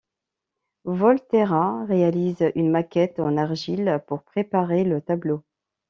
Volterra réalise une maquette en argile pour préparer le tableau.